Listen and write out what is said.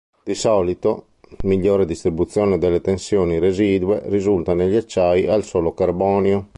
Di solito migliore distribuzione delle tensioni residue risulta negli acciai al solo carbonio.